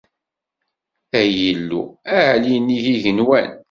Ay Illu, ɛelli nnig yigenwan!